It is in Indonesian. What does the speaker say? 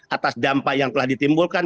atas dampak yang telah ditimbulkan